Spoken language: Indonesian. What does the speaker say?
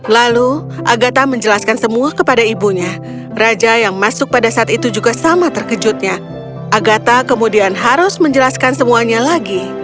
lalu agatha menjelaskan semua kepada ibunya raja yang masuk pada saat itu juga sama terkejutnya agatha kemudian harus menjelaskan semuanya lagi